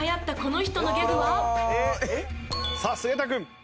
さあ菅田君。